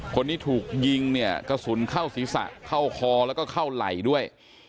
คนที่ถูกยิงเนี่ยกระสุนเข้าศีรษะเข้าคอแล้วก็เข้าไหล่ด้วย